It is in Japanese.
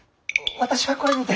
私はこれにて。